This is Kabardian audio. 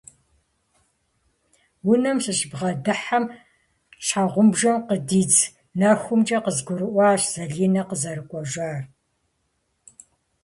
Унэм сыщыбгъэдыхьэм, щхьэгъубжэм къыдидз нэхумкӏэ къызгурыӏуащ Залинэ къызэрыкӏуэжар.